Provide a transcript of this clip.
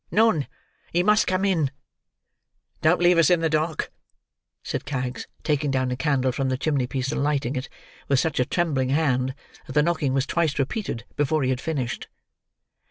"None. He must come in." "Don't leave us in the dark," said Kags, taking down a candle from the chimney piece, and lighting it, with such a trembling hand that the knocking was twice repeated before he had finished.